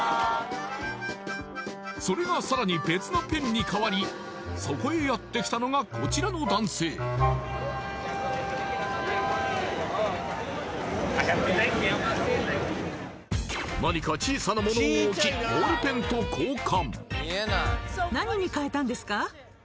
それがさらに別のペンにかわりそこへやってきたのがこちらの男性何か小さなものを置きボールペンと交換